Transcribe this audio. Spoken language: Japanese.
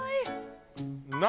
何？